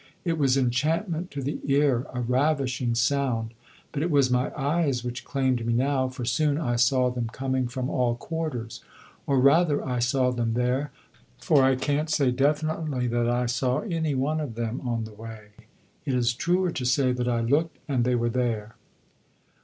It was enchantment to the ear, a ravishing sound; but it was my eyes which claimed me now, for soon I saw them coming from all quarters. Or rather, I saw them there, for I can't say definitely that I saw any one of them on the way. It is truer to say that I looked and they were there.